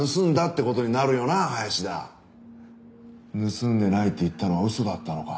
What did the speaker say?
盗んでないって言ったのは嘘だったのか？